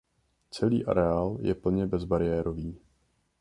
Celý areál je plně bezbariérový.